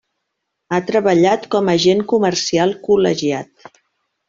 Ha treballat com a agent comercial col·legiat.